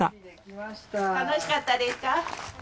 楽しかったですか？